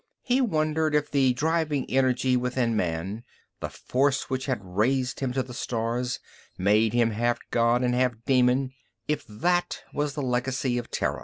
He wondered if the driving energy within man, the force which had raised him to the stars, made him half god and half demon, if that was a legacy of Terra.